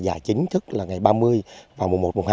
giải chính thức là ngày ba mươi và một mươi một một mươi hai